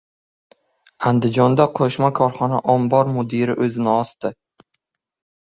Andijonda qo‘shma korxona ombor mudiri o‘zini osdi